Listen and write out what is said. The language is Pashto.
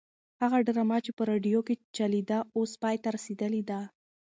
هغه ډرامه چې په راډیو کې چلېده اوس پای ته رسېدلې ده.